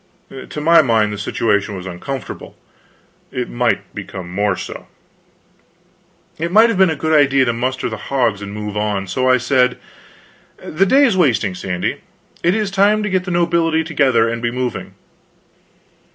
To my mind, the situation was uncomfortable. It might become more so. It might be a good idea to muster the hogs and move on. So I said: "The day is wasting, Sandy. It is time to get the nobility together and be moving."